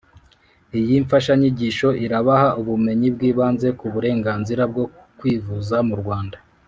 Iyi mfashanyigisho irabaha ubumenyi bw’ibanze ku burenganzira bwo kwivuza mu Rwanda